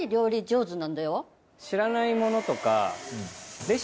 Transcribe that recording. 知らないものとか。